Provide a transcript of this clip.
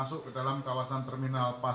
surabaya tidak akan terjawab